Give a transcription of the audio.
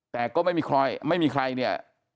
แต่ก็ไม่มีใครเนี่ย